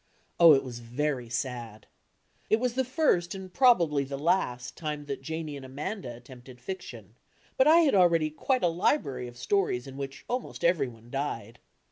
Oh, it was very sad! It was the first, and probably the last, dme that Janie and Amanda attempted ficdon, but I had already quite a library of stories in which almost everyone died.